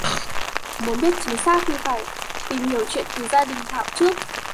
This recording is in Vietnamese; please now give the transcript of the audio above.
Muốn biết chính xác thì phải tìm hiểu chuyện từ gia đình Thảo trước